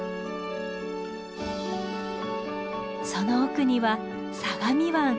その奥には相模湾。